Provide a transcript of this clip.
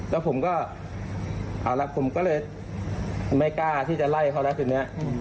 แล้วผมก็เอาละผมก็เลยไม่กล้าที่จะไล่เขาแล้วทีนี้